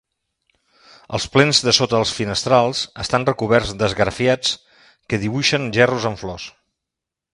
Els plens de sota els finestrals estan recoberts d'esgrafiats que dibuixen gerros amb flors.